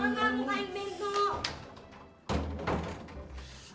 olga bukain pintu